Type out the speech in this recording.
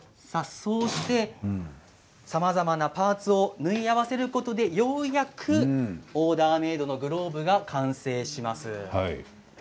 そうして、さまざまなパーツを縫い合わせることでようやくオーダーメードのグローブが完成します。